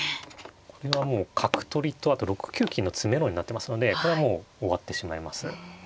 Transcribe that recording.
これはもう角取りとあと６九金の詰めろになってますのでこれはもう終わってしまいます。